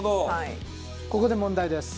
ここで問題です。